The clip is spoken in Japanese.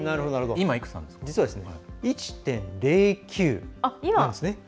今、１．０９なんですね。